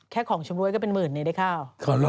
ของชำรวยก็เป็นหมื่นเนี่ยได้ข้าว